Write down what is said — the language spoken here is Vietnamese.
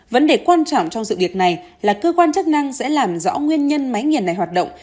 vấn đề quan trọng trong dự định này là cơ quan chức năng sẽ làm rõ nguyên nhân máy nghiền này hoạt động